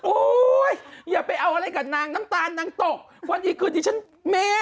อย่าไปเอาอะไรกับนางน้ำตาลนางตกวันดีคืนดีฉันแม่